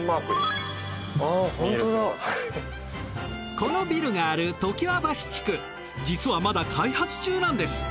このビルがある常盤橋地区実はまだ開発中なんです。